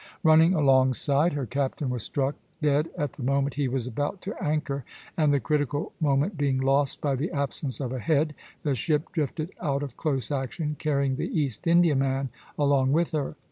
Running alongside (c'), her captain was struck dead at the moment he was about to anchor, and the critical moment being lost by the absence of a head, the ship drifted out of close action, carrying the East Indiaman along with her (c'').